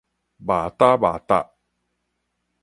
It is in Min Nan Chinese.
覓搭覓搭